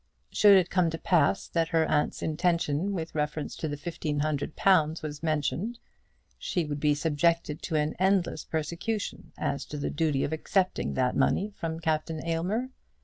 Should it come to pass that her aunt's intention with reference to the fifteen hundred pounds was mentioned, she would be subjected to an endless persecution as to the duty of accepting that money from Captain Aylmer.